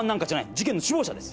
事件の首謀者です！